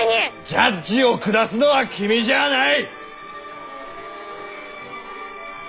ジャッジを下すのは君じゃあない。